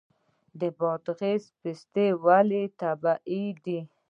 د بادغیس پسته ولې طبیعي ده؟